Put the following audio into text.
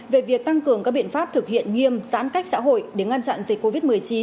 về việc tăng cường các biện pháp thực hiện nghiêm giãn cách xã hội để ngăn chặn dịch covid một mươi chín